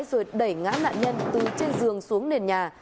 rồi đẩy ngã nạn nhân từ trên giường xuống nền nhà